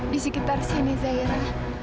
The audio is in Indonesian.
di sekitar sini zaira